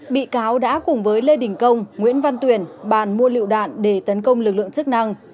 bị cáo đã cùng với lê đình công nguyễn văn tuyển bàn mua liệu đạn để tấn công lực lượng chức năng